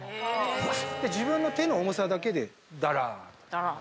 自分の手の重さだけでだらーん。